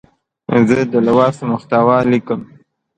زه د لوست محتوا لیکم.